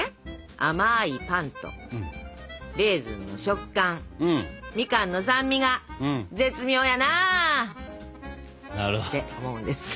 「甘いパンとレーズンの食感みかんの酸味が絶妙やなあ！」って思うんですって。